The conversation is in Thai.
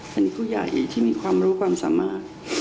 เป็นผู้ใหญ่ที่มีความรู้ความสามารถ